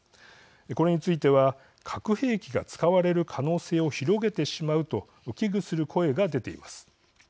これについては核兵器が使われる可能性を広げてしまうと危惧する声が出ています。